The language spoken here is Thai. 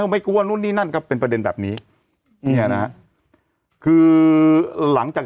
ไม่กลัวนู่นนี่นั่นก็เป็นประเด็นแบบนี้เนี่ยนะฮะคือหลังจาก